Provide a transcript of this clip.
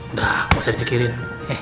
udah masa dipikirin